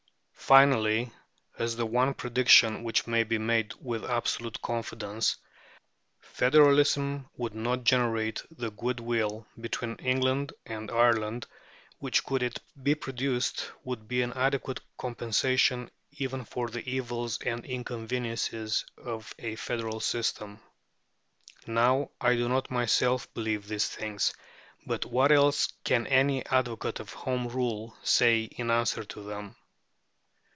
Finally, as "the one prediction which may be made with absolute confidence," "federalism would not generate the goodwill between England and Ireland which, could it be produced, would be an adequate compensation even for the evils and inconveniences of a federal system" (p. 191). Now I do not myself believe these things, but what else can any advocate of Home Rule say in answer to them?